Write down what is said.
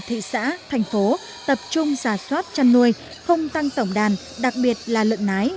thị xã thành phố tập trung giả soát chăn nuôi không tăng tổng đàn đặc biệt là lợn nái